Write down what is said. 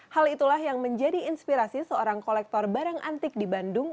hal itulah yang menjadi inspirasi seorang kolektor barang antik di bandung